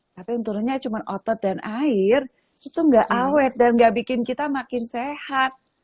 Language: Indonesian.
tapi yang turunnya cuma otot dan air itu nggak awet dan gak bikin kita makin sehat